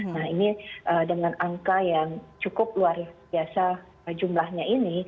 nah ini dengan angka yang cukup luar biasa jumlahnya ini